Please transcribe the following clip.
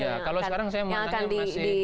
yang akan disampaikan oleh mas arief